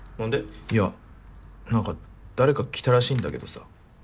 いや何か誰か来たらしいんだけどさ